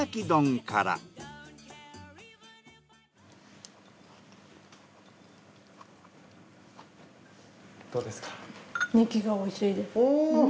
どうですか？